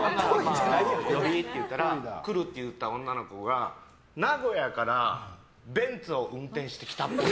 来るって言った女の子が名古屋からベンツを運転してきたっぽい。